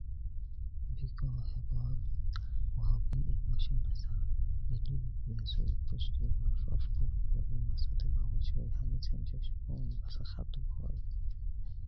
بیکو ہے گور واؤ بی ای موشو نسہ بی لُو دیتی اسور پروشٹی اوا ݰوݰپ کوریکو ای مسوتے باؤ اوشوئے، ہنیسے جوش پونج بسہ ختم ہوئے